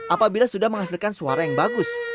apabila sudah menghasilkan suara yang bagus